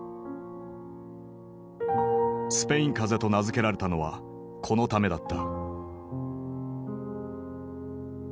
スペイン風邪と名付けられたのはこのためだった。